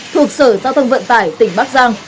thuộc sở giao thông vận tải tỉnh bắc giang